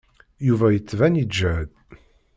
Yuba yettban yeǧhed.